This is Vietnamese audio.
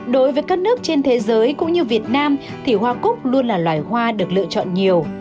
đối với các nước trên thế giới cũng như việt nam thì hoa cúc luôn là loài hoa được lựa chọn nhiều